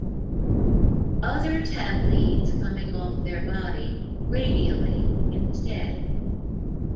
Others have leads coming off their body "radially" instead.